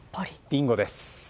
リンゴです。